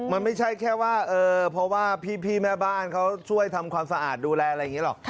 มันไม่ใช่แค่ว่าเพราะว่าพี่แม่บ้านเขาช่วยทำความสะอาดดูแลอะไรอย่างนี้หรอก